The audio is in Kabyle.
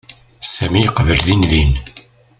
Sami yeqbel dindin.